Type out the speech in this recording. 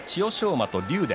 馬と竜電。